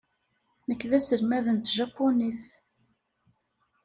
Nekk d aselmad n tjapunit.